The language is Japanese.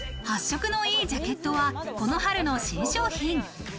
発色のいいジャケットはこの春の新商品。